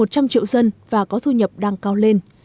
một trăm linh triệu dân và có thu nhập đang cao lên